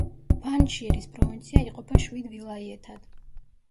ფანჯშირის პროვინცია იყოფა შვიდ ვილაიეთად.